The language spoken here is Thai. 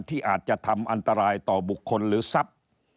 ที่อาจจะทำอันตรายต่อบุคคลหรือทรัพย์